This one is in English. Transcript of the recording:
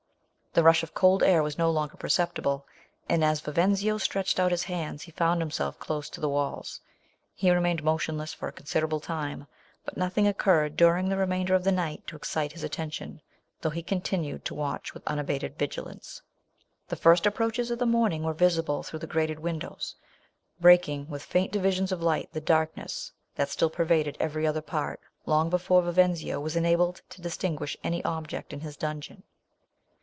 The rush of cold air was no longer per ceptible ; and as Vivenzio stretched out his hands, he found himself close to the walls. He remained motion less for a considerable time ; but no thing occurred during the remainder of the night to excite his attention, though he continued to watch with unabated vigilance. The first approaches of the morn ing were visible through the grated windows, breaking, with faint divi sions of light, the darkness that still pervaded every other part, long be fore Vivenzio was enabled to distin guish any object in his dungeon.